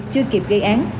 chưa kịp gây án